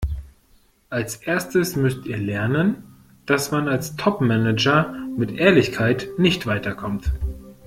Als Erstes müsst ihr lernen, dass man als Topmanager mit Ehrlichkeit nicht weiterkommt.